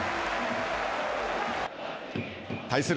対する